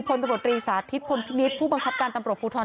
ดูฝนตำบลตรีสาธิตฟนพินิศผู้บังคับการตำบลพูทร